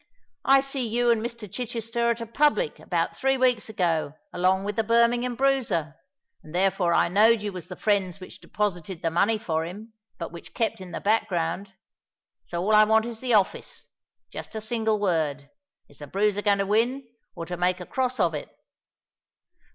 I see you and Mr. Chichester at a public about three weeks ago along with the Birmingham Bruiser; and therefore I knowed you was the friends which deposited the money for him, but which kept in the back ground. So all I want is the office—just a single word: is the Bruiser to win or to make a cross of it?"